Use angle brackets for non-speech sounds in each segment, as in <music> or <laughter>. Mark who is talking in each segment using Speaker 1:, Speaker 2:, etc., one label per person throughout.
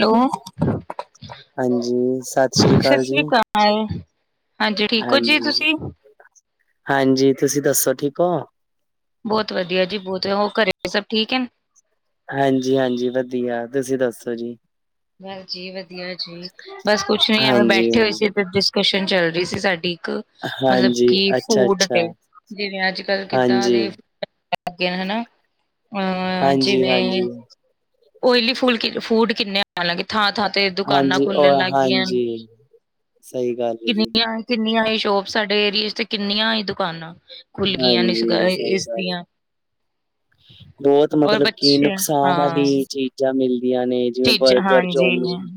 Speaker 1: Hello.
Speaker 2: ਹਾਂਜੀ, ਸਤਿ ਸ੍ਰੀ ਅਕਾਲ ਜੀ।
Speaker 1: ਹਾਂਜੀ, ਠੀਕ ਹੋ ਜੀ
Speaker 2: ਹਾਂਜੀ
Speaker 1: ਤੁਸੀਂ?
Speaker 2: ਹਾਂਜੀ ਤੁਸੀਂ ਦੱਸੋ ਠੀਕ ਹੋ?
Speaker 1: ਬੋਤ ਵਧੀਆ ਜੀ ਬੋਤੇ ਹੋਰ ਘਰੇ ਸਭ ਠੀਕ ਹੈਨ?
Speaker 2: ਹਾਂਜੀ-ਹਾਂਜੀ ਵਧੀਆ, ਤੁਸੀਂ ਦੱਸੋ ਜੀ?
Speaker 1: ਬਸ ਜੀ ਹਾਂਜੀ ਵਧੀਆ ਜੀ, ਬਸ ਕੁਛ ਨੀ ਐਵੇਂ
Speaker 2: ਹਾਂਜੀ
Speaker 1: ਬੈਠੇ ਹੋਏ ਸੀ ਫੇਰ ਜਿਸ ਕਸ਼ਨ ਚੱਲ ਰਹੀ ਸੀ ਸਾਡੀ ਇੱਕ। ਮਤਲਬ
Speaker 2: ਹਾਂਜੀ
Speaker 1: ਕਿ
Speaker 2: ਅੱਛਾ
Speaker 1: ਫੂਡ
Speaker 2: ਅੱਛਾ
Speaker 1: ਤੇ ਜਿਵੇਂ ਅੱਜ ਕੱਲ ਕਿੱਦਾਂ
Speaker 2: ਹਾਂਜੀ
Speaker 1: ਦੇ ਫ- ਗੇ ਆ ਹਨਾ ਅਹ
Speaker 2: ਹਾਂਜੀ
Speaker 1: ਜਿਵੇਂ
Speaker 2: ਹਾਂਜੀ
Speaker 1: ਓਏਲੀ ਫੂਲ ਕਿ ਫੂਡ ਕਿੰਨੇ ਆ। ਹਾਲਾਂਕਿ ਥਾਂ-ਥਾਂ ਤੇ ਦੁਕਾਨਾਂ
Speaker 2: ਹਾਂਜੀ ਔਰ
Speaker 1: ਖੁਲਣ ਲੱਗ ਗਈਆ ਹਨ,
Speaker 2: ਹਾਂਜੀ ਸਹੀ ਗੱਲ ਹੈ ਜੀ
Speaker 1: ਕਿੰਨੀਆਂ। ਕਿੰਨੀਆਂ ਹੀ ਸ਼ੋਪਸ ਸਾਡੇ ਏਰੀਏ ਚ ਤੇ ਕਿੰਨੀਆਂ ਈ ਦੁਕਾਨਾਂ। ਖੁੱਲ ਗਈਆਂ ਨੇ ਇਸ
Speaker 2: ਹਾਂਜੀ, ਸਹੀ
Speaker 1: ਇਸ
Speaker 2: ਗੱਲ ਏ।
Speaker 1: ਦੀਆਂ
Speaker 2: ਬੋਤ
Speaker 1: ਔਰ
Speaker 2: ਮਤਲਬ ਕਿ
Speaker 1: ਬੱਚੇ
Speaker 2: ਨੁਕਸਾਨ ਵਾਲੀ
Speaker 1: ਹਾਂ
Speaker 2: ਚੀਜ਼ਾਂ ਮਿਲਦੀਆਂ ਨੇ। ਜਿਵੇ
Speaker 1: ਚੀਜ਼
Speaker 2: ਬਰਗਰ,
Speaker 1: ਹਾਂਜੀ
Speaker 2: ਚੌਮੀਨ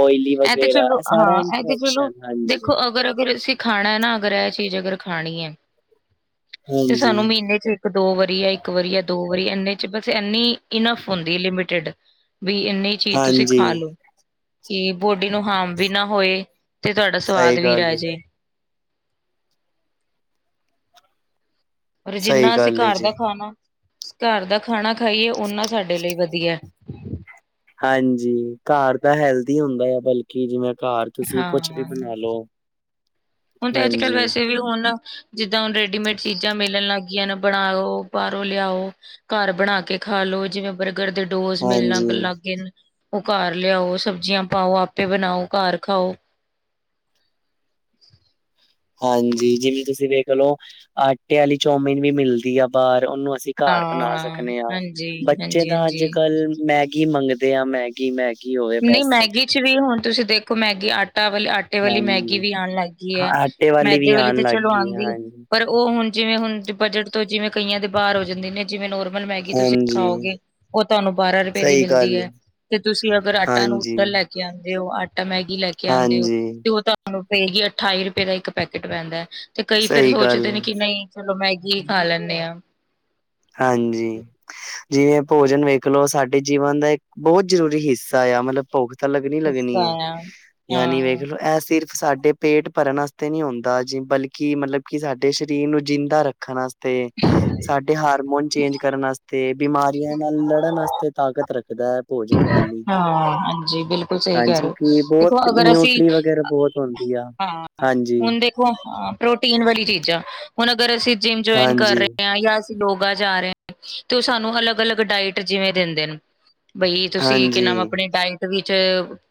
Speaker 2: ਓਇਲੀ
Speaker 1: ਤੇ
Speaker 2: ਵਗੈਰਾ
Speaker 1: ਚਲੋ
Speaker 2: ਇਹ ਸਾਰਾ
Speaker 1: ਹਾਂ ਇਹ ਤੇ ਚਲੋ
Speaker 2: ਇਨਫੈਕਸ਼ਨ ਹਾਂਜੀ।
Speaker 1: ਦੇਖੋ ਅਗਰ ਬਰ ਅਸੀਂ ਖਾਣਾ ਏ ਨਾ ਅਗਰ ਇਹ ਚੀਜ਼ ਅਗਰ ਖਾਣੀ ਏ, ਤੇ
Speaker 2: ਹਾਂਜੀ
Speaker 1: ਸਾਨੂੰ ਮਹੀਨੇ ਚ ਇਕ- ਦੋ ਵਾਰੀ ਯਾ ਇੱਕ ਵਾਰੀ ਜਾਂ ਦੋ ਵਾਰੀ ਇਨੇ ਚ ਬਸ ਇੰਨੀ ਇਨਫ ਹੁੰਦੀ ਏ ਲਿਮਿਟਡ। ਵਈ ਇੰਨੀ ਚੀਜ਼ ਤੁਸੀਂ
Speaker 2: ਹਾਂਜੀ
Speaker 1: ਖਾ ਲੋੋ। ਕਿ ਬੋਡੀ ਨੂੰ ਹਾਰਮ ਵੀ ਨਾ ਹੋਏ, ਤੇ ਤੁਹਾਡਾ ਸਵਾਦ
Speaker 2: ਸਹੀ
Speaker 1: ਵੀ
Speaker 2: ਗੱਲ
Speaker 1: ਰਹਿ
Speaker 2: ਹੈ।
Speaker 1: ਜੇ। ਔਰ
Speaker 2: ਸਹੀ
Speaker 1: ਜਿੰਨਾ ਅਸੀਂ
Speaker 2: ਗੱਲ ਏ
Speaker 1: ਘਰ ਦਾ
Speaker 2: ਜੀ।
Speaker 1: ਖਾਣਾ- ਘਰ ਦਾ ਖਾਣਾ ਖਾਈਏ ਓਨਾ ਸਾਡੇ ਲਈ ਵਧੀਆ।
Speaker 2: ਹਾਂਜੀ ਘਰ ਤਾਂ ਹੈਲਥੀ ਹੁੰਦਾ ਆ ਬਲਕਿ ਜਿਵੇਂ ਘਰ ਤੁਸੀਂ ਕੁਛ ਵੀ
Speaker 1: ਹਾਂ
Speaker 2: ਬਣਾ ਲਓ।
Speaker 1: ਹੁਣ ਤੇ ਅੱਜ ਕੱਲ ਵੈਸੇ ਵੀ ਹੁਣ। ਜਿੱਦਾਂ ਹੁਣ ਰੈਡੀਮੇਡ ਚੀਜ਼ਾਂ ਮਿਲਣ ਲੱਗ ਗਈਆਂ ਨਾ ਬਣਾਓ ਬਾਹਰੋਂ ਲਿਆਓ। ਘਰ ਬਣਾ ਕੇ ਖਾ ਲੋ ਜਿਵੇਂ ਬਰਗਰ ਦੇ ਰੋਜ਼ ਮਿਲ ਨਲ
Speaker 2: ਹਾਂਜੀ,
Speaker 1: ਗੱਲ ਲਗੇ ਨ ਓ ਘਰ ਲਿਆਓ ਸਬਜ਼ੀਆਂ ਪਾਓ ਆਪੇ ਬਣਾਓ ਘਰ ਖਾਓ। <inaudible>
Speaker 2: ਹਾਂਜੀ ਜਿਵੇਂ ਤੁਸੀਂ ਵੇਖ ਲਓ ਆਟੇ ਆਲੀ ਚੌਮਿਨ ਵੀ ਮਿਲਦੀ ਆ ਬਾਰ ਉਨੂੰ ਅਸੀਂ ਘਰ ਬਣਾ
Speaker 1: ਹਾਂ
Speaker 2: ਸਕਨੇ ਆਂ
Speaker 1: ਹਾਂਜੀ
Speaker 2: ਬੱਚੇ
Speaker 1: ਹਾਂਜੀ
Speaker 2: ਤਾਂ ਅੱਜ
Speaker 1: ਹਾਂਜੀ
Speaker 2: ਕੱਲ ਮੈਗੀ ਮੰਗਦੇ ਆ ਮੈਗ ਕਿ ਮੈਗੀ ਹੋਏ ਬਸ
Speaker 1: ਕੁਛ ਵੀ ਹੁਣ ਤੁਸੀਂ ਦੇਖੋ ਮੈਗੀ ਆਟਾ ਵਾਲੇ ਆਟ ਆਟੇ ਵਾਲੀ ਮੈਗੀ
Speaker 2: ਹਾਂਜੀ,
Speaker 1: ਵੀ ਆਣ ਲੱਗ ਗਈ ਐ
Speaker 2: ਆਟੇ
Speaker 1: ਮੈਦੇ
Speaker 2: ਵੀ
Speaker 1: ਵਾਲੀ
Speaker 2: ਆਣ
Speaker 1: ਤੇ
Speaker 2: ਲੱਗ
Speaker 1: ਚਲੋ
Speaker 2: ਗਈ ਆ
Speaker 1: ਆਂਦੀ
Speaker 2: ਹਾਂਜੀ।
Speaker 1: ਪਰ ਓ ਹੁਣ ਜਿਵੇਂ ਹੁਣ ਬਜਟ ਤੋਂ ਜਿਵੇਂ ਕਈਆਂ ਦੇ ਬਾਰ ਹੋ ਜਾਂਦੇ ਨੇ। ਜਿਵੇਂ ਨੋਰਮਲ ਮੈਗੀ ਤੁਸੀਂ
Speaker 2: ਹਾਂਜੀ,
Speaker 1: ਖਾਓਗੇ ਓ ਤੁਹਾਨੂੰ ਬਾਰਾਂ ਰੁਪਏ ਦੀ
Speaker 2: ਸਹੀ
Speaker 1: ਮਿਲਦੀ
Speaker 2: ਗੱਲ ਏ।
Speaker 1: ਹੈ ਤੇ ਤੁਸੀਂ ਅਗਰ ਆਟ
Speaker 2: ਹਾਂਜੀ,
Speaker 1: ਲੈ ਕੇ ਆਉਂਦੇ ਹੋ ਆਟਾ ਮੈਗੀ ਲੈ ਕੇ ਆਂਦੇ ਓ
Speaker 2: ਹਾਂਜੀ
Speaker 1: ਤੇ ਓ ਤੁਹਾ ਓ ਪਏਗੀ ਅਠਾਈ ਰੁਪਏ ਦਾ ਇੱਕ ਪੈਕੇਟ ਪੈਂਦਾ ਤੇ ਕਈ ਫਿਰ
Speaker 2: ਸਹੀ ਗੱਲ
Speaker 1: ਸੋਚਦੇ ਨੇ
Speaker 2: ਏ,
Speaker 1: ਕਿ ਨਈ ਚਲੋ ਮੈਗੀ ਈ ਖਾ ਲੈਨੇ ਆਂ।
Speaker 2: ਹਾਂਜੀ ਜਿਵੇਂ ਭੋਜਨ ਵੇਖ ਲਓ ਸਾਡੇ ਜੀਵਨ ਦਾ ਇੱਕ ਬੋਤ ਜ਼ਰੂਰੀ ਹਿੱਸਾ ਆ ਮਤਲਬ ਭੁੱਖ ਤਾਂ
Speaker 1: ਇਸ
Speaker 2: ਲੱਗਣੀ-ਲੱਗਣੀ ਏ
Speaker 1: ਤਰ੍ਹਾਂ ਆ।
Speaker 2: ਯਾਨੀ
Speaker 1: ਹਾਂ
Speaker 2: ਵੇਖਲੋ ਐ ਸਿਰਫ ਸਾਡੇ ਪੇਟ ਭਰਨ ਅਸਤੇ ਨੀ ਹੁੰਦਾ ਜੀ ਬਲਕਿ ਮਤਲਬ ਕਿ ਸਾਡੇ ਸਰੀਰ ਨੂੰ ਜਿੰਦਾ ਰੱਖਣ ਅਸ ਤੇ ਹਾਰਮੋਨ ਚੇਂਜ ਕਰਨ ਅਸਤੇ ਬਿਮਾਰੀਆਂ ਨਾਲ ਲੜਨ ਅਸਤੇ ਤਾਕਤ ਰੱਖਦੈ। ਭੋਜਨ ਥਾਲੀ
Speaker 1: ਹਾਂ, ਹਾਂਜੀ ਬਿਲਕੁਲ ਸਹੀ ਕਹਿ
Speaker 2: ਹਾਂਜੀ
Speaker 1: ਰਹੇ ਓ
Speaker 2: ਕੀ ਬੋਤ
Speaker 1: ਦੇਖੋ ਅਗਰ ਅਸੀਂ
Speaker 2: ਨਿਊਟਰੀ ਵਗੈਰਾ ਬੋਤ
Speaker 1: ਹਾਂ ਹੁਣ ਦੇਖੋ ਪ੍ਰੋਟੀਨ ਵਾਲੀ ਚੀਜ਼ਾਂ ਹੁਣ ਅਗਰ ਅਸੀਂ ਜਿੰਮ ਜੁਆਇਨ ਕਰ
Speaker 2: ਹਾਂਜੀ,
Speaker 1: ਰਏ ਆਂ ਜਾਂ ਅਸ ਯੋਗਾ ਜਾ ਰਏ ਆਂ ਤੇ ਓ ਸਾਨੂੰ ਅਲੱਗ- ਅਲੱਗ ਡਾਇਟ ਜਿਵੇਂ ਦਿੰਦੇ ਨੇ। ਬਈ ਤੁਸੀਂ ਕੀ ਨਾ
Speaker 2: ਹਾਂਜੀ,
Speaker 1: ਆਪਣੇ ਟੈਮ ਵਿੱਚ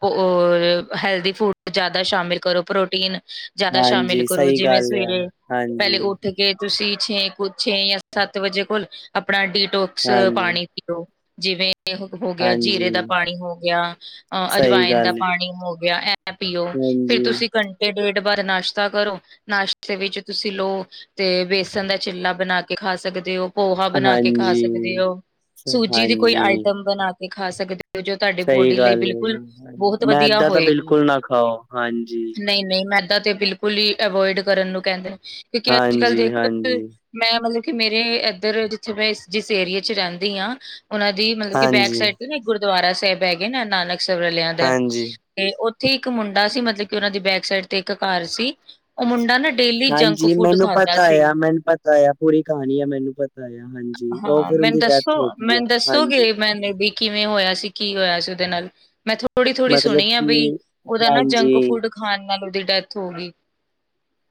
Speaker 1: ਔਰ ਹੈਲਦੀ ਫੂਡ ਜਾਦਾ ਸ਼ਾਮਿਲ ਕਰੋ ਪ੍ਰੋਟੀਨ ਜਾਦਾ ਸ਼ਾਮਿਲ
Speaker 2: ਹਾਂਜੀ
Speaker 1: ਕਰੋ
Speaker 2: ਸਹੀ
Speaker 1: ਜਿਵੇਂ
Speaker 2: ਗੱਲ ਆ।
Speaker 1: ਸਵੇਰੇ
Speaker 2: ਹਾਂਜੀ,
Speaker 1: ਪੈਲੇ ਉੱਠ ਕਿ ਤੁਸੀਂ ਛੇ ਕੁ ਛੇ ਜਾਂ ਸੱਤ ਵਜੇ ਕੋਲ ਆਪਣਾ ਡੀਟੋਕਸ
Speaker 2: ਹਾਂਜੀ,
Speaker 1: ਪਾਣੀ ਪੀਓ। ਜਿਵੇਂ ਏ ਹੋ ਗਿਆ ਜੀਰੇ ਦਾ
Speaker 2: ਹਾਂਜੀ
Speaker 1: ਪਾਣੀ ਹੋ ਗਿਆ ਅ
Speaker 2: ਸਹੀ
Speaker 1: ਅਜਵਾਇਨ ਦਾ
Speaker 2: ਗੱਲ
Speaker 1: ਪਾਣੀ ਹੋ ਗਿਆ ਐ ਐ ਪੀਓ ਫਿਰ
Speaker 2: ਹਾਂਜੀ,
Speaker 1: ਤੁਸੀਂ ਘੰਟੇ ਡੇਢ ਬਾਦ ਨਾਸ਼ਤਾ ਕਰੋ ਨਾਸ਼ਤੇ ਵਿੱਚ ਤੁਸੀਂ ਲੋ ਤੇ ਵੇਸਣ ਦਾ ਚਿੱਲਾ ਬਣਾ ਕੇ ਖਾ ਸਕਦੇ ਓ। ਪੋਹਾ ਬਣਾ ਕੇ ਖਾ
Speaker 2: ਹਾਂਜੀ,
Speaker 1: ਸਕਦੇ ਹੋ
Speaker 2: ਸ-
Speaker 1: ਸੂਜੀ ਦੀ ਕੋਈ
Speaker 2: ਹਾਂਜੀ।
Speaker 1: ਆਈਟਮ ਬਣਾ ਕੇ ਖਾ ਸਕਦੇ ਜੋ ਤੁਹਾਡੇ
Speaker 2: ਸਹੀ
Speaker 1: ਬੋਡੀ ਲਈ
Speaker 2: ਗੱਲ ਏ ਜੀ,
Speaker 1: ਬਿਲਕੁਲ
Speaker 2: ਹਾਂਜੀ,
Speaker 1: ਬਹੁਤ ਵਧੀਆ
Speaker 2: ਮੈਦਾ ਤਾਂ
Speaker 1: ਹੋਏਗੀ।
Speaker 2: ਬਿਲਕੁਲ ਨਾ ਖਾਓ ਹਾਂਜੀ।
Speaker 1: ਨਈ-ਨਈਮੈਦਾ ਤੇ ਬਿਲਕੁਲ ਹੀ ਅਵੋਇਡ ਕਰਨ ਨੂੰ ਕੈਂਦੇ ਕਿਉਂਕਿ ਅੱਜ ਕੱਲ
Speaker 2: ਹਾਂਜੀ,
Speaker 1: ਦੇਖੋ
Speaker 2: ਹਾਂਜੀ,
Speaker 1: ਮੈਂ ਮਤਲਬ ਕਿ ਮੇਰੇ ਇੱਧਰ ਜਿੱਥੇ ਮੈਂ ਜਿਸ ਏਰੀਏ 'ਚ ਰੈਂਦੀ ਆਂ। ਉਨਾਂ ਦੀ ਮਤਲਬ ਕਿ ਬੈਕ
Speaker 2: ਹਾਂਜੀ,
Speaker 1: ਸਾਈਡ ਤੇ ਨਾ ਇੱਕ ਗੁਰਦੁਆਰਾ ਸਾਹਿਬ ਹੈਗੇ ਨਾ ਨਾਨਕ ਸਰ ਆਲਿਆਂ ਦਾ
Speaker 2: ਹਾਂਜੀ।
Speaker 1: ਤੇ ਉੱਥੇ ਇੱਕ ਮੁੰਡਾ ਸੀ ਮਤਲਬ ਕਿ ਉਨਾਂ ਦੀ ਬੈਕ ਸਾਈਡ ਤੇ ਇੱਕ ਘਰ ਸੀ ਓ ਮੁੰਡਾ ਨਾ ਡੇਲੀ ਜੰਕ
Speaker 2: ਹਾਂਜੀ
Speaker 1: ਫੂਡ
Speaker 2: ਮੈਨੂੰ
Speaker 1: ਖਾਂਦਾ
Speaker 2: ਪਤਾ
Speaker 1: ਸੀ।
Speaker 2: ਆ ਮੈਨੂੰ ਪਤਾ ਆ ਪੂਰੀ ਕਹਾਣੀ ਆ ਮੈਨੂੰ ਪਤਾ ਆ ਹਾਂਜੀ। ਉਹ
Speaker 1: ਹਾਂ
Speaker 2: ਫਿਰ
Speaker 1: ਮੈਨੂੰ
Speaker 2: ਉਹਦੀ ਡੈਥ
Speaker 1: ਦੱਸੋ
Speaker 2: ਹੋ ਗਈ ਆ,
Speaker 1: ਮੈਨੂੰ
Speaker 2: ਹਾਂਜੀ,
Speaker 1: ਦੱਸੋਗੇ ਮੈਨੇ ਵੀ ਕਿਵੇਂ ਹੋਇਆ ਸੀ ਕੀ ਹੋਇਆ ਸੀ ਉਦੇ ਨਾਲ ਮੈਂ ਥੋੜ੍ਹੀ-ਥੋੜ੍ਹੀ
Speaker 2: ਮਤਲਬ
Speaker 1: ਸੁਣੀ ਆ ਬਈ
Speaker 2: ਕਿ
Speaker 1: ਉਦਾ ਨਾ ਜੰਕ
Speaker 2: ਹਾਂਜੀ,
Speaker 1: ਖਾਨ ਨਾਲ ਉਦੀ ਡੈਥ ਹੋ ਗਈ।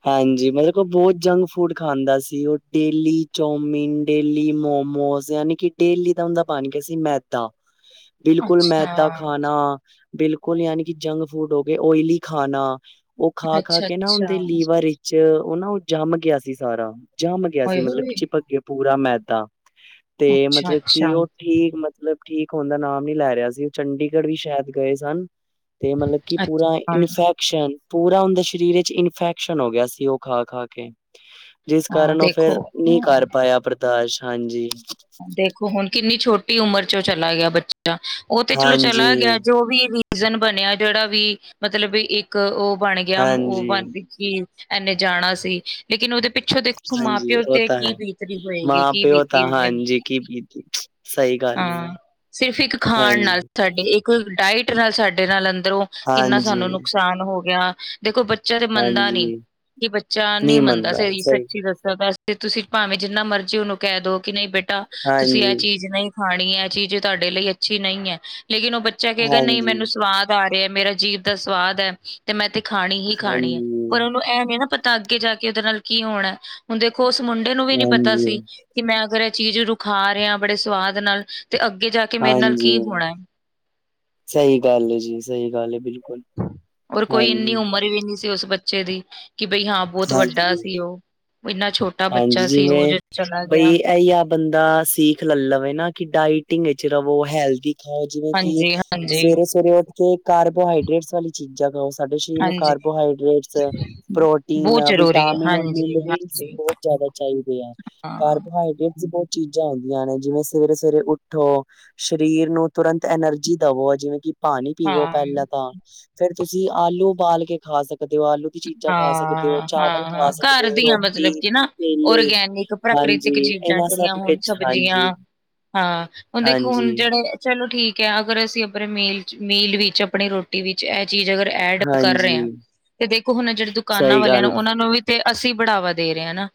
Speaker 2: ਹਾਂਜੀ ਮਤਲਬ ਕੋ ਬੋਤ ਜੰਕ ਫੂਡ ਖਾਂਦਾ ਸੀ ਓ ਡੇਲੀ ਚੌਮਿਨ ਡੇਲੀ ਮੋਮੋਸ ਯਾਨੀ ਕਿ ਡੇਲੀ ਦਾ ਹੁੰਦਾ ਬਣ ਗਿਆ ਸੀ ਮੈਦਾ
Speaker 1: ਹ
Speaker 2: ਬਿਲਕੁਲ ਮੈਦਾ ਖਾਣਾ ਬਿਲਕੁਲ ਯਾਨੀ ਕਿ ਜੰਕ ਫੂਡ ਹੋ ਗਏ ਓਇਲੀ ਖਾਣਾ ਉਹ
Speaker 1: ਅੱਛਾ
Speaker 2: ਖਾ-ਖਾਕੇ ਨਾ
Speaker 1: ਅੱਛਾ
Speaker 2: ਬਾਰਿਸ਼'ਚ ਉਹ ਨਾ ਉਹ ਜੰਮ ਗਿਆ ਸੀ ਸਾਰਾ, ਜੰਮ ਗਿਆ
Speaker 1: ਹੋਏ
Speaker 2: ਸੀ ਮਤਲਬ
Speaker 1: ਹੋਏ
Speaker 2: ਚਿਪਕ ਗਏ ਪੂਰਾ ਮੈਦਾ, ਤੇ
Speaker 1: ਅੱਛਾ
Speaker 2: ਮਤਲਬ ਕਿ
Speaker 1: ਅੱਛਾ
Speaker 2: ਉਹ ਠੀਕ ਮਤਲਬ, ਠੀਕ ਹੋਣ ਦਾ ਨਾਮ ਨੀ ਲੈ ਰਿਹਾ ਸੀ, ਉਹ ਚੰਡੀਗੜ੍ਹ ਵੀ ਸ਼ਾਇਦ ਗਏ ਸਨ। ਤੇ ਮਤਲਬ ਕਿ ਪੂਰਾ
Speaker 1: ਅੱਛਾ
Speaker 2: ਇਨਫੈਕਸ਼ਨ, ਪੂਰਾ ਉਂਹਦੇ ਸਰੀਰ'ਚ ਫੈਕਸਨ ਹੋਗਿਆ ਸੀ ਉਹ ਖਾ-ਖਾਕੇ, ਜਿਸ
Speaker 1: ਹਾਂ
Speaker 2: ਕਾਰਨ ਉਹ ਫਿਰ
Speaker 1: ਦੇਖੋ
Speaker 2: ਨੀ
Speaker 1: ਹਾਂ
Speaker 2: ਕਰ ਪਾਇਆ ਪਰਦਾਸ਼, ਹਾਂਜੀ।
Speaker 1: ਦੇਖੋ ਹੁਣ, ਕਿੰਨੀ ਛੋਟੀ ਉਮਰ'ਚ ਓ ਚਲਾ ਗਿਆ ਬੱਚਾ, ਉਹ ਤੇ ਚਲੋ ਚਲਾ
Speaker 2: ਹਾਂਜੀ,
Speaker 1: ਗਿਆ ਜੋ ਵੀ ਸੀਜ਼ਨ ਬਣਿਆ ਜਿਹੜਾ ਵੀ, ਮਤਲਬ ਇੱਕ ਉਹ ਬਣ ਗਿਆ, ਉਹ
Speaker 2: ਹਾਂਜੀ,
Speaker 1: ਬਣ ਸੀ, ਐਨੇ ਜਾਣਾ ਸੀ, ਲੇਕਿਨ ਉਹਦੇ ਪਿੱ ਪਿਛੋ ਦੇਖੋ,
Speaker 2: ਹਾਂਜੀ
Speaker 1: ਮਾਂ-ਪਿਓ
Speaker 2: ਉਹ
Speaker 1: ਤੇ
Speaker 2: ਤਾਂ ਹੈ।
Speaker 1: ਕੀ ਬੀਤ ਰੀ ਹੋਏਗੀ,
Speaker 2: ਮਾਂ
Speaker 1: ਕੀ
Speaker 2: ਪਿਓ ਤਾਂ
Speaker 1: ਬੀਤੀ ਹੋ
Speaker 2: ਹਾਂਜੀ ਕੀ ਬੀਤੀ, ਸਹੀ ਗੱਲ ਏ ਜੀ।
Speaker 1: ਸਿਰਫ ਇੱਕ ਖਾਣ ਨਾਲ
Speaker 2: ਹਾਂਜੀ।
Speaker 1: ਸਾਡੇ, ਇੱਕ ਡਾਇਟ ਨਾਲ ਸਾਡੇ ਨਾਲ ਅੰਦਰੋਂ ਕਿੰਨਾ
Speaker 2: ਹਾਂਜੀ,
Speaker 1: ਸਾਨੂੰ ਨੁਕਸਾ ਨੁਕਸਾਨ ਹੋਗਿਆ। ਦੇਖੋ ਬੱਚਾ ਤੇ ਮੰਨਦਾ ਨੀ,
Speaker 2: ਹਾਂਜੀ
Speaker 1: ਕਿ ਬੱਚਾ ਨੀ
Speaker 2: ਨਹੀਂ
Speaker 1: ਮੰਨਦਾ,
Speaker 2: ਸਹੀ
Speaker 1: ਸੱਚੀ ਦੱਸਾ ਤਾਂ ਫਿਰ ਤੁਸੀਂ ਭਾਵੇਂ ਜਿੰਨਾ ਮਰਜ਼ੀ ਉਹਨੂੰ ਕਹਿਦੋ, ਕਿ ਨਹੀਂ ਬੇਟਾ ਤੁਸੀਂ
Speaker 2: ਹਾਂਜੀ,
Speaker 1: ਐ ਚੀਜ਼ ਨਹੀਂ ਖਾਣੀ ਐਂ, ਐ ਚੀਜ਼ ਤੁਹਾਡੇ ਲਈ ਅੱਛੀ ਨਹੀਂ ਐ, ਲੇਕਿਨ ਉਹ ਬੱਚਾ ਕਹੇਗਾ ਨਹੀਂ
Speaker 2: ਹਾਂਜੀ,
Speaker 1: ਮੈਨੂੰ ਸਵਾਦ ਰਿਹਾ, ਮੇਰਾ ਜੀਵ ਦਾ ਸਵਾਦ ਐ, ਤੇ ਮੈਂ ਤੇ ਖਾਣੀ ਈ ਖਾਣੀ ਏ, ਪਰ
Speaker 2: ਹਾਂਜੀ,
Speaker 1: ਉਹਨੂੰ ਇਹ ਨੀ ਨਾ ਪਤਾ ਤਾਂ ਅੱਗੇ ਜਾਕੇ ਉਹਦੇ ਨਾਲ ਕੀ ਹੋਣਾ, ਹੁਣ ਦੇਖੋ ਉਸ ਮੁੰਡੇ ਨੂੰ ਵੀ ਨੀ ਪਤਾ
Speaker 2: ਹਾਂਜੀ,
Speaker 1: ਸੀ ਕਿ ਮੈਂ ਅਗਰ ਐ ਚੀਜ਼ ਰੁਕ ਖਾ ਰਿਹਾਂ ਬੜੇ ਸਵਾਦ ਨਾਲ, ਤੇ ਅੱਗੇ ਜਾਕੇ
Speaker 2: ਹਾਂਜੀ, ਸਹੀ ਗੱਲ ਐ ਜੀ, ਸਹੀ ਗੱਲ ਏ, ਬਿਲਕੁਲ।
Speaker 1: ਔਰ ਕੋਈ ਇੰਨੀ
Speaker 2: ਹਾਂਜੀ,
Speaker 1: ਉਮਰ ਵੀ ਨਹੀਂ ਸੀ ਉਸ ਬੱਚੇ ਦੀ, ਕਿ ਬਈ ਹਾਂ ਬਹੁਤ ਵੱਡਾ
Speaker 2: ਹਾਂਜੀ।
Speaker 1: ਸੀ ਉਹ। ਇੰਨਾ ਛੋ
Speaker 2: ਹਾਂਜੀ, ਜਿਵੇਂ ਬਈ ਐਈ ਆ ਬੰਦਾ ਸੀਖ ਲੈ ਲਵੇ ਨਾ, ਕਿ ਡਾਇਟਿੰਗ ਵਿੱਚ ਰਵੋ, ਹੈਲਦੀ ਹਾਂ ਜਿਵੇਂ ਕਿ,
Speaker 1: ਹਾਂਜੀ, ਹਾਂਜੀ,
Speaker 2: ਸਵੇਰੇ-ਸਵੇਰੇ ਉੱਠਕੇ ਕਾਰਬੋਹਾਈਡਰੇੇਟਸ ਵਾਲੀ ਚੀਜ਼ਾਂ ਖਾਓ। ਸਾਡੇ ਸ਼ਰੀਰ ਨੂੰ
Speaker 1: ਹਾਂਜੀ।
Speaker 2: ਕਾਰਬੋਹਾਈਡ੍ਰੇਟਸ, ਪ੍ਰੋਟੀਨ,
Speaker 1: ਬਹੁਤ ਜ਼ਰੂਰੀ ਹੈ
Speaker 2: ਵਿਟਾਮਿਨ ਔਰ
Speaker 1: ਹਾਂਜੀ,
Speaker 2: ਮਿਨਰਲਸ
Speaker 1: ਹਾਂਜੀ
Speaker 2: ਬੋ ਜ਼ਿਆਦਾ ਚਾਹੀਦੇ ਆ,
Speaker 1: ਹਾਂ,
Speaker 2: ਕਾਰਬੋਹਾਈਡਰੇੇਟ ਬਹੁਤ ਚੀਜ਼ਾਂ ਹੁੰਦੀਆਂ ਨੇ, ਜਿਵੇਂ ਸਵੇਰੇ-ਸਵੇਰੇ ਉੱਠੋ ਸ਼ਰੀਰ ਨੂੰ ਤੁਰੰਤ ਐਨਰਜੀ ਦਵੋ, ਜਿਵੇਂ ਕਿ ਪਾਣੀ ਪੀਵੋ
Speaker 1: ਹਾਂ।
Speaker 2: ਪਹਿਲਾਂ ਤਾਂ, ਫੇਰ ਤੁਸੀਂ ਆਲੂ ਉਬਾਲਕੇ ਖਾ ਸਕਦੇ ਓ, ਆਲੂ ਦੀ ਚੀਜ਼ਾਂ ਖਾ ਸਕਦੇ ਹੋ, ਚਾਵਲ ਖਾ
Speaker 1: ਹਾਂ-ਹਾਂ-ਹਾਂ,
Speaker 2: ਸਕਦੇ
Speaker 1: ਘਰ
Speaker 2: ਹੋ,
Speaker 1: ਦੀਆਂ
Speaker 2: ਰੋਟੀ,
Speaker 1: ਮਤਲਬ ਕਿ ਨਾ?
Speaker 2: ਕੇਲੇ
Speaker 1: ਓਰਗੈਨਿਕ, ਪ੍ਰਕ੍ਰਿਤਿਕ
Speaker 2: ਹਾਂਜੀ,
Speaker 1: ਚੀਜ਼ਾਂ,
Speaker 2: ਇਹਨਾਂ
Speaker 1: ਜਿਹੜੀਆਂ
Speaker 2: ਸਭ
Speaker 1: ਹੋਣ
Speaker 2: ਵਿੱਚ
Speaker 1: ਸਬਜ਼ੀਆਂ।
Speaker 2: ਹਾਂਜੀ,
Speaker 1: ਹਾਂ, ਹੁਣ ਦੇਖੋ,
Speaker 2: ਹਾਂਜੀ,
Speaker 1: ਹੁਣ ਜਿਹੜੇ ਚਲੋ ਠੀਕ ਐ, ਅਗਰ ਅਸੀਂ ਆਪਣੇ ਮੇਲ, ਮੀਲ ਵਿੱਚ ਆਪਣੀ ਰੋਟੀ ਵਿੱਚ ਏ ਚੀਜ਼ ਅਗਰ ਐਡ ਕਰ ਰਹੇ
Speaker 2: ਹਾਂਜੀ।
Speaker 1: ਆਂ ਤੇ ਦੇਖੋ ਹੁਣ ਜਿਹੜੇ ਦੁਕਾਨਾਂ
Speaker 2: ਸਹੀ
Speaker 1: ਵਾਲਿਆਂ
Speaker 2: ਗੱਲ
Speaker 1: ਨੂੰ,
Speaker 2: ਏ,
Speaker 1: ਉਹਨਾਂ ਨੂੰ ਵੀ ਤੇ ਅਸੀਂ ਬੜਾਵਾ ਦੇ ਰਹੇ ਆ ਨਾ।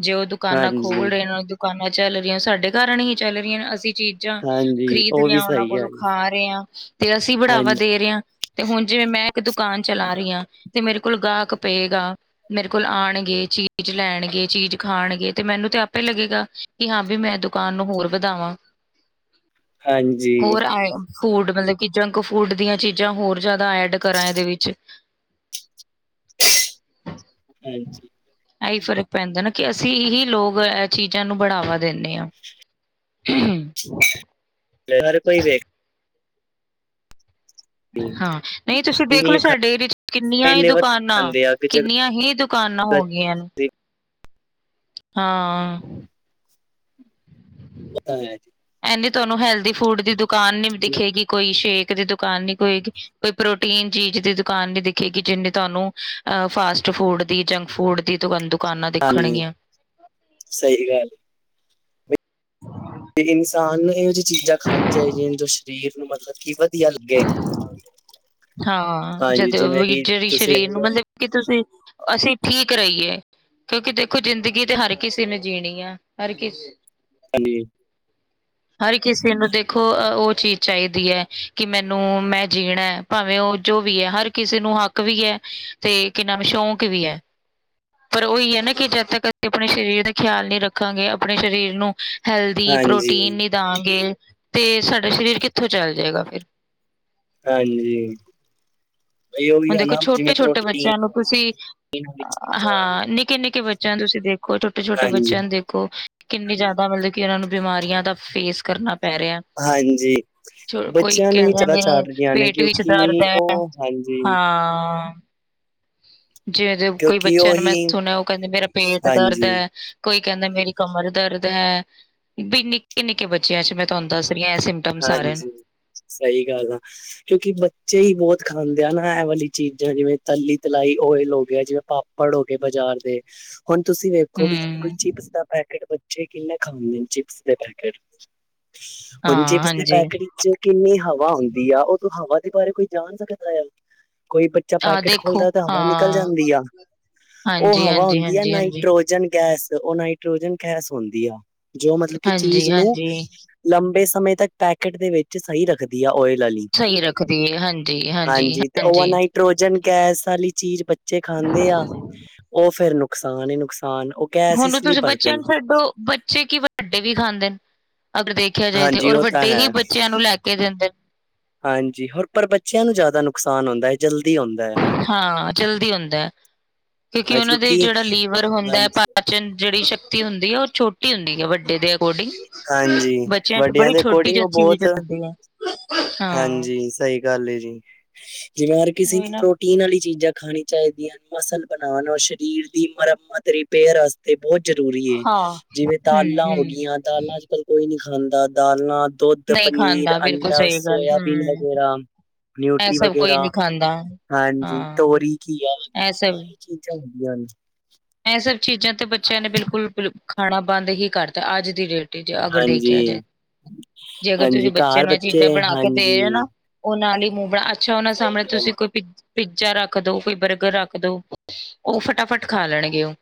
Speaker 1: ਜੇ ਉਹ ਦੁਕਾਨਾਂ
Speaker 2: ਹਾਂਜੀ,
Speaker 1: ਖੋਲ ਰਹੇ ਨੇ, ਦੁਕਾਨਾਂ ਚੱਲ ਰਹੀਆਂ ਉਹ ਸਾਡੇ ਕਾਰਨ ਹੀ ਚੱਲ ਰਹੀਆਂ ਨੇ, ਅਸੀਂ ਚੀਜ਼ ਚੀਜ਼ਾਂ
Speaker 2: ਹਾਂਜੀ
Speaker 1: ਖ਼ਰੀਦ
Speaker 2: ਉਹ
Speaker 1: ਰਿਹੇ
Speaker 2: ਵੀ
Speaker 1: ਆ ਉਹਨਾਂ
Speaker 2: ਸਹੀ
Speaker 1: ਕੋਲੋਂ
Speaker 2: ਹੈਗੀ।
Speaker 1: ਖਾ ਰਹੇ ਆਂ, ਤੇ ਅਸੀ ਬੜਾਵਾ
Speaker 2: ਹਾਂਜੀ,
Speaker 1: ਦੇ ਰਹੇ ਆਂ। ਤੇ ਹੁਣ ਜਿਵੇਂ ਮੈਂ ਇੱਕ ਦੁਕਾਨ ਚਲਾ ਰਹੀ ਆਂ, ਤੇ ਮੇਰੇ ਕੋਲ ਗਾਹਕ ਪਏਗਾ ਮੇਰੇ ਕੋਲ ਆਣਗੇ, ਚੀਜ਼ ਲੈਣਗੇ, ਚੀਜ਼ ਖਾਣਗੇ, ਤੇ ਮੈਨੂੰ ਤੇ ਆਪੇ ਲਗੇਗਾ ਕਿ ਹਾਂ, ਵੀ ਮੈਂ ਦੁਕਾਨ ਨੂੰ ਹੋਰ ਵਧਾਵਾਂ।
Speaker 2: ਹਾਂਜੀ,
Speaker 1: ਹੋਰ ਆਏ ਫੂਡ, ਮਤਲਬ ਕਿ ਜੰਕ ਫੂਡ ਦੀਆਂ ਚੀਜ਼ਾਂ ਹੋਰ ਜ਼ਿਆਦਾ ਐਡ ਕਰਾਂ, ਇਹਦੇ ਵਿੱਚ।
Speaker 2: ਹਾਂਜੀ।
Speaker 1: ਐਹੀ ਫ਼ਰਕ ਪੈਂਦਾ ਨਾ ਕਿ ਅਸੀਂ ਇਹੀ ਲੋਕ ਏ ਚੀਜ਼ਾਂ ਨੂੰ ਬੜਾਵਾ ਦਿੰਦੇ ਆ <inaudible>
Speaker 2: ਹਰ ਕੋਈ ਵ
Speaker 1: ਹਾਂ, ਨਈ ਤੁਸੀਂ
Speaker 2: ਇੰਨੀ
Speaker 1: ਦੇਖਲੋ ਸਾਡੇ ਏਰੀਏ ਚ ਕਿੰਨੀਆਂ ਈ
Speaker 2: ਖਾਲੇ ਵਧ
Speaker 1: ਦੁਕਾਨਾਂ
Speaker 2: ਜਾਂਦੇ ਆ ਕਿ ਜਗ੍ਹਾ
Speaker 1: ਕਿੰਨੀਆਂ ਹੀ ਦੁ ਕਾਨਾਂ
Speaker 2: ਪਤਾ
Speaker 1: ਹੋ ਗਈਆਂ ਨੇ। ਹਾਂ <inaudible>
Speaker 2: ਓ ਤਾਂ ਹੈ।
Speaker 1: ਐਨੀ ਤੁਹਾਨੂੰ ਹੈਲਦੀ ਫੂਡ ਦੀ ਦੁਕਾਨ ਨੀ ਦਿਖੇਗੀ। ਕੋਈ ਸ਼ੇਕ ਦੀ ਦੁਕਾਨ ਨੀ ਕੋਈ ਕੋਈ ਪ੍ਰੋਟੀਨ ਚੀਜ਼ ਦੀ ਦੁਕਾਨ ਨੀ ਦਿਖੇਗੀ ਜਿੰਨੇ ਤੁਹਾਨੂੰ ਅ ਫਾਸਟ ਫੂਡ ਦੀ ਜੰਕ ਫੂਡ ਦੀ ਦੁ
Speaker 2: ਹਾਂਜੀ, ਸਈ ਗੱਲ ਤੇ ਇਨਸਾਨ ਨੂੰ ਇਹੋ ਜੀ ਚੀਜ਼ਾਂ ਖਾਣੀ ਚਾਈਦੀਆਂ ਨੇ ਜੋ ਸਰੀਰ ਨੂੰ ਮਤਲਬ ਕਿ ਵਧੀਆ ਲੱਗੇ।
Speaker 1: ਹਾਂ,
Speaker 2: ਹਾਂਜੀ
Speaker 1: ਜਦੋਂ
Speaker 2: ਜਿਵੇਂ
Speaker 1: ਵੀ
Speaker 2: ਕਿ
Speaker 1: ਜੇੜੀ
Speaker 2: ਤੁਸੀਂ
Speaker 1: ਸਰੀਰ ਨੂੰ ਮਤਲਬ
Speaker 2: ਹਾਂਜੀ
Speaker 1: ਕਿ ਤੁਸੀਂ ਅਸੀਂ ਠੀਕ ਰਈ ਏ ਕਿਉਂਕਿ ਦੇਖੋ ਜ਼ਿੰਦਗੀ ਤੇ ਹਰ ਕਿਸੇ ਨੇ ਜੀਣੀ ਆ ਹਰ ਕਿਸੇ
Speaker 2: ਹਾਂਜੀ।
Speaker 1: ਹਰ ਕਿਸੇ ਨੂੰ ਦੇਖੋ ਓ ਚੀਜ਼ ਚਾਈਦੀ ਐ। ਕਿ ਮੈਨੂੰ ਮੈਂ ਜੀਣਾ ਭਾਵੇਂ ਓ ਜੋ ਵੀ ਐ ਹਰ ਕਿਸੇ ਨੂੰ ਹੱਕ ਵੀ ਐ। ਤੇ ਕੀ ਨਾਮ ਐ ਸ਼ੋਕ ਵੀ ਐ ਪਰ ਓਹੀ ਐ ਨਾ ਕਿ ਜਦ ਤੱਕ ਅਸੀਂ ਆਪਣੇ ਸਰੀਰ ਦਾ ਖਿਆਲ ਨਹੀਂ ਰੱਖਾਂਗੇ ਆਪਣੇ ਸਰੀਰ ਨੂੰ ਹੈਲਦੀ
Speaker 2: ਹਾਂਜੀ
Speaker 1: ਪ੍ਰੋਟੀਨ ਨੀ ਦਾ ਗੇ ਤੇ ਸਾਡਾ ਸਰੀਰ ਕਿੱਥੋਂ ਚੱਲ ਜੇਗਾ ਫਿਰ।
Speaker 2: ਹਾਂਜੀ ਇਹ ਉਹੀ
Speaker 1: ਹੁਣ
Speaker 2: ਹੈ
Speaker 1: ਦੇਖੋ
Speaker 2: ਨਾ ਜਿਵੇਂ
Speaker 1: ਛੋਟੇ-ਛੋਟੇ
Speaker 2: ਪ੍ਰੋਟੀਨ
Speaker 1: ਬੱਚਿਆਂ ਨੂੰ ਤੁਸੀਂ
Speaker 2: ਵਾਲੀ ਚੀਜ਼ਾਂ
Speaker 1: ਹਾਂ ਨਿੱਕੇ- ਨਿੱਕੇ ਬੱਚਿਆਂ ਨੂੰ ਤੁਸੀਂ ਦੇ ਕੋਈ ਛੋਟੇ ਛੋਟੇ ਬੱਚਿਆਂ
Speaker 2: ਹਾਂਜੀ
Speaker 1: ਨੂੰ ਦੇ ਖੋ ਕਿੰਨੀ ਜਿਆਦਾ ਮਤਲਬ ਕਿ ਓਨਾਂ ਨੂੰ ਬਿਮਾਰੀਆਂ ਦਾ ਫੇਸ ਕਰਨਾ ਪੈ ਰਿਆ।
Speaker 2: ਹਾਂਜੀ
Speaker 1: ਚਲੋ ਕੋਈ
Speaker 2: ਬੱਚਿਆਂ ਨੂੰ
Speaker 1: ਕੈ
Speaker 2: ਹੀ ਜ਼ਿਆਦਾ
Speaker 1: ਦੇਂਦੇ
Speaker 2: ਚਾੜ ਰਹੀਆਂ ਨੇ
Speaker 1: ਪੇਟ ਵਿੱਚ
Speaker 2: ਕਿਉਂਕਿ
Speaker 1: ਦਰਦ ਐ।
Speaker 2: ਉਹ ਹਾਂਜੀ
Speaker 1: ਹਾਂ। ਜਿਵੇ ਜੇ ਕੋਈ
Speaker 2: ਕਿਉਂਕਿ
Speaker 1: ਬੱਚਿਆਂ ਨੂੰ' ਮੈਂ
Speaker 2: ਉਹੀ
Speaker 1: ਸੁਣਿਆ' ਓ ਕਹਿੰਦੇ ਮੇਰਾ ਪੇਟ ਦਰਦ
Speaker 2: ਹਾਂਜੀ
Speaker 1: ਐ। ਕੋਈ ਕੈਂਦਾ ਮੇਰੀ ਕਮਰ ਦਰਦ ਹੈ, ਵੀ ਨਿੱਕੇ-ਨਿੱਕੇ ਬੱਚਿਆਂ ਚ ਮੈਂ ਤੁਹਾਨੂੰ ਦੱਸ ਰੀ ਆ ਏ ਸਿੰਪ
Speaker 2: ਹਾਂਜੀ ਸਈ ਗੱਲ। ਕਿਉਂਕਿ ਬੱਚੇ ਈ ਬੋਤ ਖਾਂਦੇ ਆ ਨਾ, ਐ ਵਾਲੀ ਚੀਜ਼ਾਂ ਜਿਵੇਂ ਤਲੀ ਤਲਾਈ, ਓਇਲ ਹੋ ਗਿਆ ਜਿਵੇਂ ਪਾਪ ੜ ਹੋਗੇ ਬਾਜ਼ਾਰ ਦੇ, ਹੁਣ ਤੁਸੀਂ ਵੇਖੋਗੇ ਜਿਵੇਂ ਕੋਈ
Speaker 1: ਹੂੰ
Speaker 2: ਚਿਪਸ ਦਾ ਪੈਕੇਟ। ਬੱਚੇ ਕਿੰਨੇ ਖਾਂਦੇ ਨੇ ਚਿਪਸ ਦੇ ਪੈਕੇਟ। ਔਰ
Speaker 1: ਹਾਂ
Speaker 2: ਚਿਪਸ ਦੇ
Speaker 1: ਹਾਂਜੀ
Speaker 2: ਪੈਕੇਟ ਵਿਚ ਕਿੰਨੀ ਹਵਾ ਹੁੰਦੀ ਆ ਓ। ਹਵਾ ਦੇ ਬਾਰੇ ਕੋਈ ਜਾਣ ਸਕਦਾ ਕੋਈ ਬੱ ਚਾ
Speaker 1: ਆਹ
Speaker 2: ਪੈਕੇਟ
Speaker 1: ਦੇਖੋ
Speaker 2: ਖੋਲਦਾ ਤਾਂ ਹਵਾ ਨਿਕਲ
Speaker 1: ਹਾਂ
Speaker 2: ਜਾਂਦੀ ਆ। ਓ ਹਵਾ
Speaker 1: ਹਾਂਜੀ-ਹਾਂਜੀ,
Speaker 2: ਹੁੰਦੀ ਆ
Speaker 1: ਹਾਂਜੀ-ਹਾਂਜੀ,
Speaker 2: ਨਾਈਟ੍ਰੋਜਨ ਗੈਸ ਓ ਨਾਈ ਟਰੋਜਨ ਗੈਸ ਹੁੰਦੀ ਆ ਜੋ ਮਤਲਬ ਕਿ ਚੀਜ਼ ਨੂੰ
Speaker 1: ਹਾਂਜੀ-ਹਾਂਜੀ
Speaker 2: ਲੰਬੇ, ਸਮੇਂ ਤੱਕ ਪੈਕੇਟ ਦੇ ਵਿੱ ਚ ਸਈ ਰੱਖਦੀ ਆ ਓਇਲ ਆਲੀ,
Speaker 1: ਸਹੀ ਰੱਖਦੀ ਏ,
Speaker 2: ਹਾਂਜੀ ਤੇ
Speaker 1: ਹਾਂਜੀ-ਹਾਂਜੀ-ਹਾਂਜੀ।
Speaker 2: ਓਵਰਨਾਈਟ, ਟਰੋਜਨ ਗੈਸ ਆਲੀ ਚੀਜ਼ ਬੱਚੇ ਖਾਂਦੇ ਆ, ਓ ਫੇਰ ਨੁਕਸਾਨ ਈ ਨੁਕਸਾਨ। ਗੈਸ
Speaker 1: ਹੁਣ
Speaker 2: ਇਸ ਲਈ
Speaker 1: ਤੁਸੀਂ
Speaker 2: ਭਰਦੇ
Speaker 1: ਬੱਚਿਆਂ
Speaker 2: ਨੇ
Speaker 1: ਨੂੰ ਛੱਡੋ, ਬੱਚੇ ਕੀ ਵੱਡੇ ਵੀ ਖਾਂਦੇ ਨੇ ਅਗਰ ਦੇਖ ਖਿਆ ਜਾਏ ਤੇ
Speaker 2: ਹਾਂਜੀ
Speaker 1: ਔਰ
Speaker 2: ਉਹ ਤਾਂ
Speaker 1: ਵੱਡੇ ਹੀ
Speaker 2: ਹੈ
Speaker 1: ਬੱਚਿਆਂ ਨੂੰ ਲੈ ਕੇ ਦਿੰਦੇ।
Speaker 2: ਹਾਂਜੀ, ਹੋਰ ਪਰ ਬੱਚਿਆਂ ਨੂੰ ਜਿਆਦਾ ਨੁਕਸਾਨ ਹੁੰਦਾ ਏ। ਜਲਦੀ ਹੋੰਦੈ।
Speaker 1: ਹਾਂ, ਜਲਦੀ ਹੋੰਦੈ। ਕਿਉਂਕਿ, ਓਹਨਾਂ ਦੇ ਜੇੜਾ ਲੀਵਰ ਹੋੰਦੈ ਪਾ
Speaker 2: ਹਾਂਜੀ
Speaker 1: ਪਾਚਨ ਜੇੜੀ ਸ਼ਕਤੀ ਹੁੰਦੀ ਏ, ਓਹ ਛੋਟੀ ਹੁੰਦੀ ਏ। ਵੱਡੇ ਦੇ ਅਕੋਰਡਿੰਗ,
Speaker 2: ਹਾਂਜੀ,
Speaker 1: ਬੱਚਿਆਂ ਚ ਤੇ
Speaker 2: ਵੱਡਿਆਂ
Speaker 1: ਬੜੀ
Speaker 2: ਦੇ
Speaker 1: ਛੋਟੀ
Speaker 2: ਅਕੋਰਡਿੰਗ
Speaker 1: ਜ
Speaker 2: ਉਹ
Speaker 1: ਚੀਜ਼
Speaker 2: ਬਹੁਤ
Speaker 1: ਹੁੰਦੀ ਏ, ਹਾਂ।
Speaker 2: ਹਾਂਜੀ, ਸਹੀ ਗੱਲ ਈ ਜੀ, ਜਿਵੇਂ ਹਰ ਕਿਸੀ
Speaker 1: ਉਹੀ ਨਾ
Speaker 2: ਪ੍ਰੋ ਟੀਨ ਆਲੀ ਚੀਜ਼ਾਂ ਖਾਣੀ ਚਾਈਦੀਆਣ। ਮਸਲ ਬਣਾਣ ਔਰ ਸਰੀਰ ਦੀ ਮਰੰਮਤ ਰਿਪੇਅਰ ਅਸ ਤੇ ਬੌਤ ਜ਼ਰੂਰੀ ਏ।
Speaker 1: ਹਾਂ।
Speaker 2: ਜਿਵੇਂ ਦਾਲਾਂ
Speaker 1: ਹੂੰ-ਹੂੰ,
Speaker 2: ਹੋ ਗੀਆਂ, ਦਾਲਾਂ ਅੱਜ-ਕੱਲ ਕੋਈ ਨੀ ਖਾਂਦਾ। ਦਾਲਾਂ ਦੋਧ,
Speaker 1: ਨਹੀਂ
Speaker 2: ਪਨੀਰ,
Speaker 1: ਖਾਂਦਾ ਬਿਲਕੁਲ
Speaker 2: ਅੰਡਾ,
Speaker 1: ਸਹੀ ਗੱਲ,
Speaker 2: ਸੋਇਆਬੀਨ
Speaker 1: ਹੂੰ।
Speaker 2: ਵਗੈਰਾ।
Speaker 1: ਇਹ
Speaker 2: ਨਿਊਟਰੀ
Speaker 1: ਸਭ ਕੋਈ
Speaker 2: ਵਗੈਰਾ,
Speaker 1: ਨਹੀਂ ਖਾਂਦਾ,
Speaker 2: ਹਾਂਜੀ
Speaker 1: ਹਾਂ
Speaker 2: ਤੋਰੀ, ਘੀਆ
Speaker 1: ਇਹ
Speaker 2: ਚੀਜ਼ਾਂ ਹੁੰਦੀਆਂ ਹਨ।
Speaker 1: ਐਹ ਸਭ ਚੀਜ਼ਾਂ ਤੇ ਬੱਚਿਆਂ ਨੇ ਬਿਲਕੁਲ ਬਿਲ ਖਾਣਾ ਬੰਦ ਹੀ ਕਰਤਾ, ਅੱਜ ਦੀ ਡੇਟ ਏਚ ਅਗਰ ਦੇਖਿਆ ਜਾਏ।
Speaker 2: ਹਾਂਜੀ।
Speaker 1: ਜੇ ਅਗਰ
Speaker 2: ਹਾਂਜੀ,
Speaker 1: ਤੁਸੀਂ ਬੱਚੇ
Speaker 2: ਘਰ
Speaker 1: ਨੂੰ ਐਹ ਚੀਜ਼ਾਂ ਬਣਾ ਕੇ ਦੇ ਰੇ ਨਾ
Speaker 2: ਹਾਂਜੀ,
Speaker 1: ਓਹ ਨਾਲ ਈ ਮੂੰਹ ਬਣਾ ਅੱਛਾ, ਓਹਨਾਂ ਦੇ
Speaker 2: ਸਹੀ
Speaker 1: ਸਾਹਮਣੇ
Speaker 2: ਗੱਲ
Speaker 1: ਤੁਸੀਂ ਕੋਈ ਪਿਜ਼ ਪੀਜ਼ਾ ਰੱਖ ਦੋ, ਕੋਈ ਬਰਗਰ ਰੱਖ ਦੋ, ਓਹ ਫਟਾਫਟ ਖਾ ਲੈਣਗੇ ਓਹ।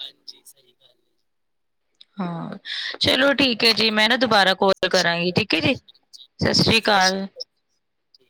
Speaker 2: ਹਾਂਜੀ, ਸਹੀ ਗੱਲ।
Speaker 1: ਹਾਂ, ਚਲੋ ਠੀਕ ਐ ਜੀ,
Speaker 2: ਚਲੋ
Speaker 1: ਮੈਂ ਨਾ
Speaker 2: ਹੈ, ਸਤਿ
Speaker 1: ਦੁਬਾਰਾ
Speaker 2: ਸ਼੍ਰੀ
Speaker 1: ਕੋਲ
Speaker 2: ਅਕਾਲ।
Speaker 1: ਕਰਾਂਗੀ, ਠੀਕ ਐ ਜੀ। ਸਸ੍ਰੀ
Speaker 2: ਸਤਿ ਸ਼੍ਰੀ
Speaker 1: ਕਾਲ।
Speaker 2: ਅਕਾਲ ਜੀ।